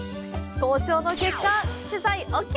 交渉の結果、取材ＯＫ！